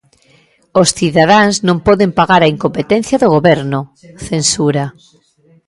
"Os cidadáns non poden pagar a incompetencia do Goberno", censura.